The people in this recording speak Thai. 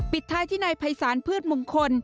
ปิดท้ายที่ในภัยสารพืชมุมคล